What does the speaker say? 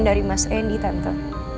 dari mas andy tante